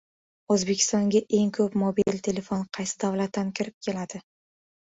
O‘zbekistonga eng ko‘p mobil telefon qaysi davlatdan kirib keladi?